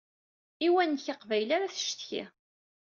I uwanek aqbayli ara tcetki.